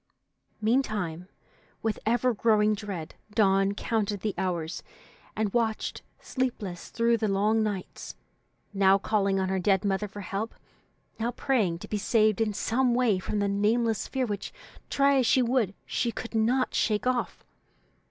Meantime, with ever growing dread, Dawn counted the hours, and watched sleepless through the long nights, now calling on her dead mother for help, now praying to be saved in some way from the nameless fear which, try as she would, she could not shake off.